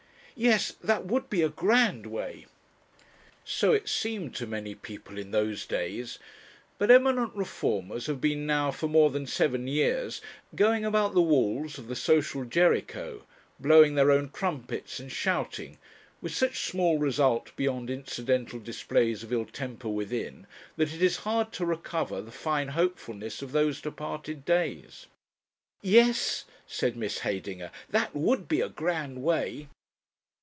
"Yes that would be a grand way." So it seemed to many people in those days. But eminent reformers have been now for more than seven years going about the walls of the Social Jericho, blowing their own trumpets and shouting with such small result beyond incidental displays of ill temper within, that it is hard to recover the fine hopefulness of those departed days. "Yes," said Miss Heydinger. "That would be a grand way."